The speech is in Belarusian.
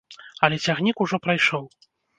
Але цягнік ужо прайшоў.